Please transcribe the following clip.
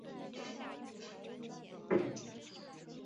某天被夺魂锯的拼图杀人魔抓去玩死亡游戏。